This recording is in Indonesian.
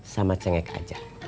sama cengek aja